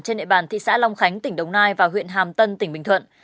trên địa bàn thị xã long khánh tỉnh đồng nai và huyện hàm tân tỉnh bình thuận